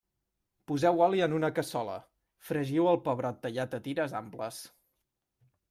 Poseu oli en una cassola, fregiu el pebrot tallat a tires amples.